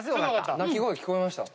鳴き声聞こえました？